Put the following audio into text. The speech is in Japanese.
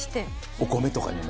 お米とかにも？